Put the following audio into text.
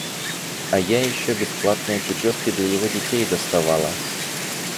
А я еще бесплатные путевки для его детей доставала!